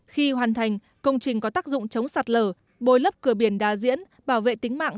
khi hoàn thành công trình có tác dụng chống sạt lở bồi lấp cửa biển đa diễn bảo vệ tính mạng